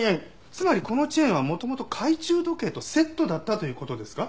つまりこのチェーンは元々懐中時計とセットだったという事ですか？